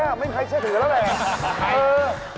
ไม่มีใครเชื่อถือแล้วแหละ